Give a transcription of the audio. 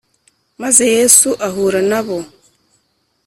Maze Yesu ahura na bo